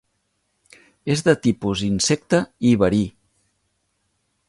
És de tipus insecte i verí.